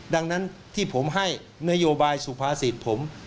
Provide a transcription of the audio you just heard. ดังนั้นที่ผมให้นโยบายสุภาษิตผม